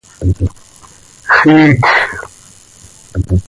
Xiijc.